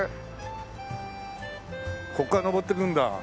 ここから上ってくんだ。